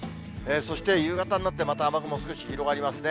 そして夕方になって、また雨雲少し広がりますね。